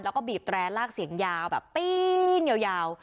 แล้วก็บีบแตรลากเสียงยาวแบบปีนยาว